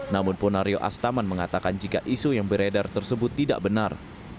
namun ponario astaman mengatakan jika isu yang beredar tersebut tidak benar